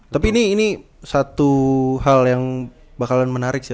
tapi ini satu hal yang bakalan menarik sih